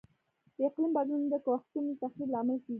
د اقلیم بدلون د کښتونو د تخریب لامل کیږي.